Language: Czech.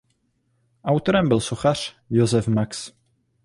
Autorem byl sochař Josef Max.